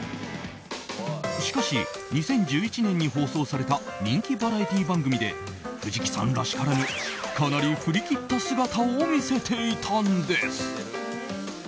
しかし、２０１１年に放送された人気バラエティー番組で藤木さんらしからぬかなり振り切った姿を見せていたんです。